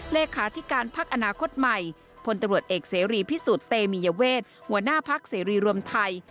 เลขาธิการพักอนาคตใหม่พลตำรวจเอกเสรีพิสุทธิ์เตมียเวทหัวหน้าพักเสรีรวมไทย